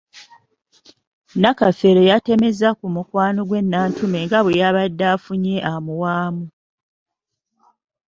Nakafeero yatemezza ku mukwano gwe Nantume nga bwe yabadde afunye amuwaamu.